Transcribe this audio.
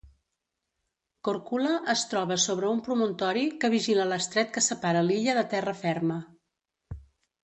Korčula es troba sobre un promontori que vigila l'estret que separa l'illa de terra ferma.